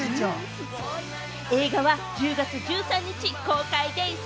映画は１０月１３日公開です。